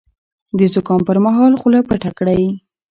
د زکام پر مهال خوله پټه کړئ.